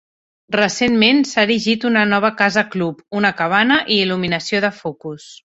Recentment s'ha erigit una nova casa club, una cabana i il·luminació de focus.